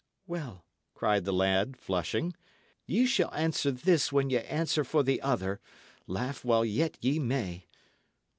"Well," cried the lad, flushing, "ye shall answer this when ye answer for the other. Laugh while yet ye may!"